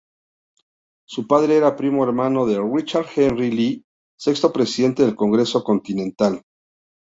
Su padre era primo hermano de Richard Henry Lee, sexto presidente del Congreso Continental.